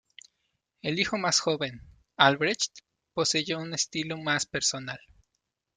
El hijo más joven, Albrecht, poseyó un estilo más personal.